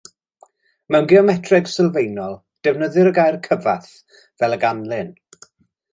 Mewn geometreg sylfaenol, defnyddir y gair cyfath fel a ganlyn.